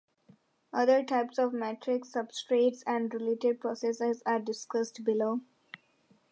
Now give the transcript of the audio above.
Other types of matrix substrates and related processes are discussed below.